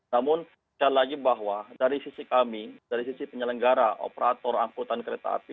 namun sekali lagi bahwa dari sisi kami dari sisi penyelenggara operator angkutan kereta api